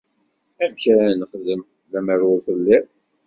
Amek ara nexdem lemmer ur telliḍ?